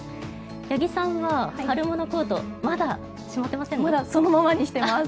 八木さんは春物コートそのままにしてます。